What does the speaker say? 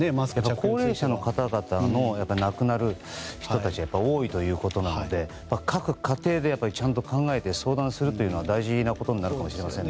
高齢者で亡くなる人たちが多いということなので、各家庭でちゃんと考えて相談するのが大事なことになるかもしれませんね。